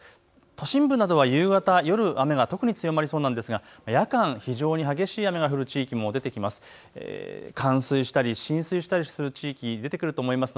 都心部などは夕方、夜、雨が強まりそうなんですが夜間、非常に激しい雨が降る地域もあります。